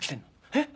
えっ？